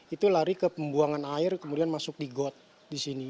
itu lari ke pembuangan air kemudian masuk di got di sini